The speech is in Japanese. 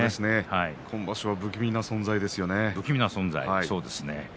今場所は不気味な存在ですね。